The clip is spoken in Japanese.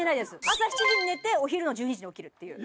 朝７時に寝てお昼の１２時に起きるっていう。